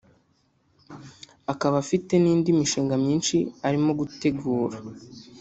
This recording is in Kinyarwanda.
akaba afite n’indi mishinga myinshi arimo gutegura